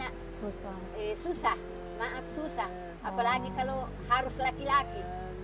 tapi ini kalau dibawa jalan ini nak susah maaf susah apalagi kalau harus laki laki